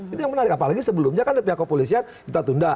itu yang menarik apalagi sebelumnya kan dari pihak kepolisian kita tunda